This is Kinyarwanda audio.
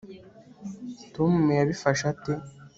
tom yabifashe ate